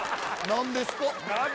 「なんですか？」